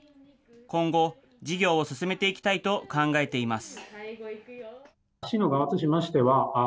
今後、事業を進めていきたいと考えています。